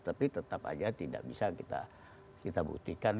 tapi tetap saja tidak bisa kita buktikan